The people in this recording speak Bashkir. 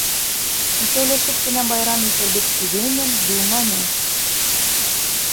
Икәүләшеп кенә байрам итербеҙ тигәйнем, булманы.